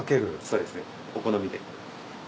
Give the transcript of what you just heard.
そうですね。お好みで。